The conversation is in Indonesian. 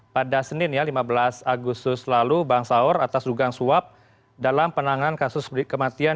pada senin ya lima belas agustus lalu bang saur atas dugaan suap dalam penanganan kasus kematian